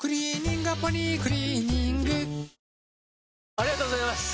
ありがとうございます！